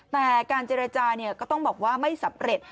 แต่การเจรจาก็ต้องบอกว่าไม่สำเร็จ